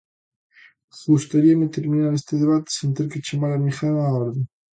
Gustaríame terminar este debate sen ter que chamar a ninguén á orde.